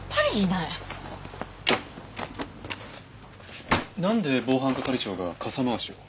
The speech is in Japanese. なんで防犯係長が傘回しを？